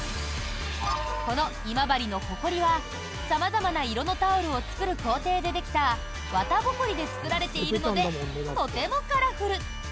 この今治のホコリは様々な色のタオルを作る工程でできた綿ぼこりで作られているのでとてもカラフル。